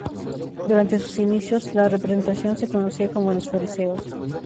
Durante sus inicios, la representación se conocía como "Los Fariseos".